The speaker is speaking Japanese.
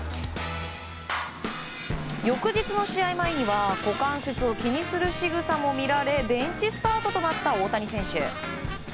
翌日の試合前には股関節を気にするしぐさも見られベンチスタートとなった大谷選手。